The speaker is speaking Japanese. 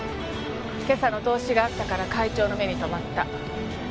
今朝の投資があったから会長の目に留まった。